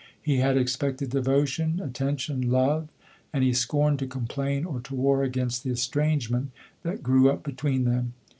He had expected devotion, at tention, love ; and he scorned to complain or to war against the estrangement that grew up between them.